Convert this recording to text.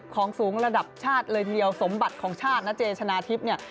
ของสูงระดับชาติเลยทีเดียวสมบัติของชาตินะเจชนะทิพย์เนี่ย